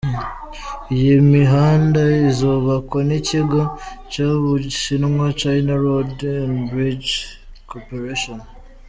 Iyi mihanda izubakwa n’ikigo cyo mu Bushinwa, China Road and Bridge Corporation.